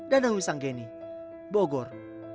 danah wissanggeni bogor